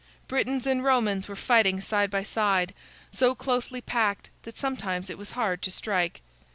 Britains and Romans were fighting side by side, so closely packed that sometimes it was hard to strike.